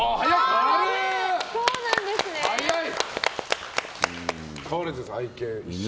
早い。